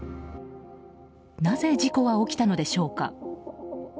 なぜ事故は起きたのでしょうか。